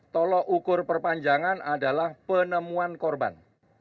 tolok ukur perpanjangan adalah penemuan korban